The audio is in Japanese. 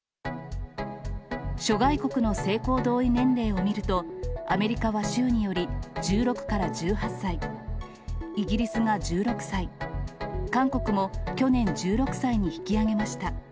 諸外国の性交同意年齢を見ると、アメリカは州により１６から１８歳、イギリスが１６歳、韓国も去年、１６歳に引き上げました。